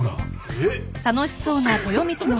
えっ！